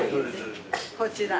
こちら。